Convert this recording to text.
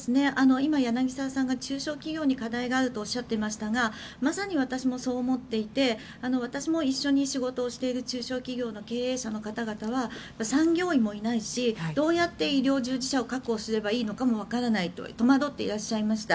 今、柳澤さんが中小企業に課題があるとおっしゃっていましたがまさに私もそう思っていて私も一緒に仕事している中小企業の経営者の方々は産業医もいないしどうやって医療従事者を確保すればいいのかわからないと戸惑っていらっしゃいました。